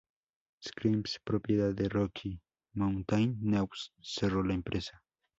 Scripps, propiedad de Rocky Mountain News, cerró la empresa.